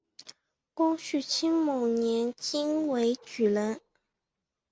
光绪辛卯年京闱举人。